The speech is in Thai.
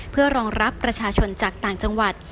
เพื่อรองรับประชาชนจากต่างจังหวัด